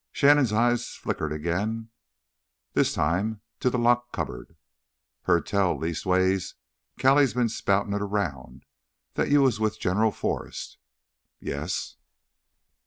Shannon's eyes flickered again, this time to the locked cupboard. "Heard tell—leastways Callie's been spoutin' it around—that you was with General Forrest." "Yes."